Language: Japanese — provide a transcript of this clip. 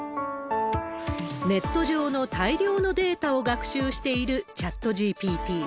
ネット上の大量のデータを学習しているチャットＧＰＴ。